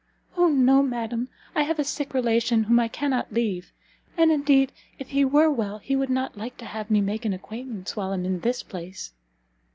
"O no, madam! I have a sick relation whom I cannot leave: and indeed, if he were well, he would not like to have me make an acquaintance while I am in this place."